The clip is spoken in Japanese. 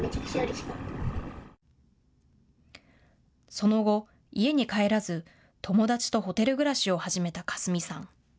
その後、家に帰らず友達とホテル暮らしを始めたかすみさん。